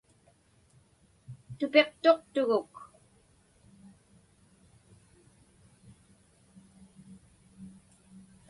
Tupiqtuqtuguk.